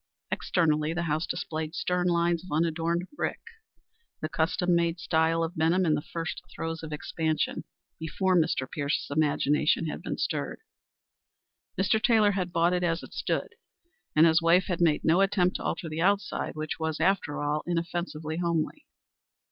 Externally the house displayed stern lines of unadorned brick the custom made style of Benham in the first throes of expansion before Mr. Pierce's imagination had been stirred. Mr. Taylor had bought it as it stood, and his wife had made no attempt to alter the outside, which was, after all, inoffensively homely.